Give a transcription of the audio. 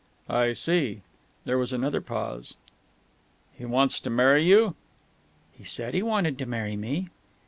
"I see." There was another pause. "He wants to marry you?" "He said he wanted to marry me."